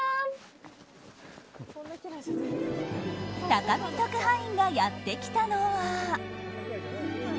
高見特派員がやってきたのは。